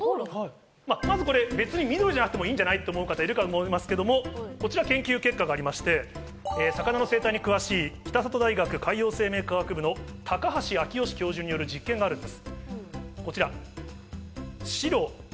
まずこれ、緑じゃなくてもいいんじゃないって思う方もいるかもしれませんが、研究結果がありまして魚の生態に詳しい北里大学・海洋生命科学部の高橋明義教授による実験があるんです。